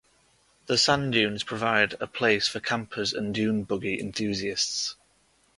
The sand dunes provide a place for campers and dune buggy enthusiasts.